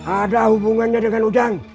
ada hubungannya dengan ujang